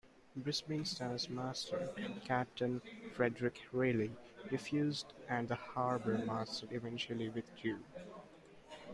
"Brisbane Star"s Master, Captain Frederick Riley, refused and the harbour master eventually withdrew.